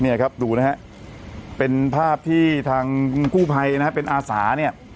เนี่ยครับดูนะฮะเป็นภาพที่ทางกู้ภัยนะฮะเป็นอาสาเนี่ย